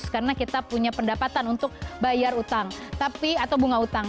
karena kita punya pendapatan untuk bayar utang atau bunga utang